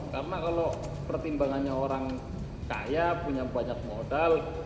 karena kalau pertimbangannya orang kaya punya banyak modal